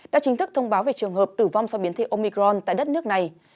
đã chính thức thông báo về trường hợp tử vong do biến thể omicron tại đất nước này